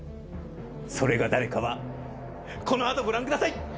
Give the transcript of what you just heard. それが誰かはこの後ご覧ください！